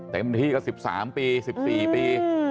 เต็มที่ก็๑๓ปี๑๔ปี